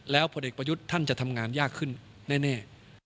ผลเอกประยุทธ์ท่านจะทำงานยากขึ้นแน่